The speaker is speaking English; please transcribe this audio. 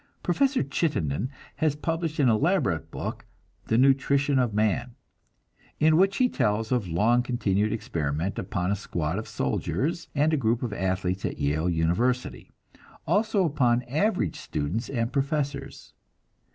Professor Chittenden has published an elaborate book, "The Nutrition of Man," in which he tells of long continued experiment upon a squad of soldiers and a group of athletes at Yale University, also upon average students and professors.